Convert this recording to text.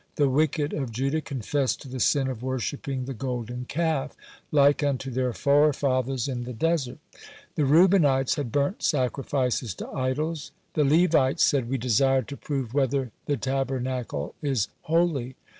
The wicked of Judah confessed to the sin of worshipping the golden calf, like unto their forefathers in the desert. The Reubenites had burnt sacrifices to idols. The Levites said: "We desired to prove whether the Tabernacle is holy."